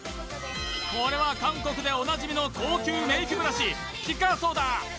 これは韓国でおなじみの高級メイクブラシピカソだ！